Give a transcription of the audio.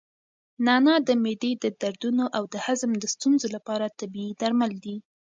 نعناع د معدې د دردونو او د هضم د ستونزو لپاره طبیعي درمل دي.